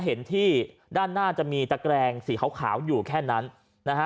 เห็นที่ด้านหน้าจะมีตะแกรงสีขาวอยู่แค่นั้นนะฮะ